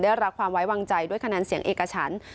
ได้รับความไว้วางใจด้วยคะแนนเสียงเอกฉัน